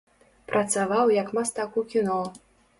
Працаваў як мастак у кіно.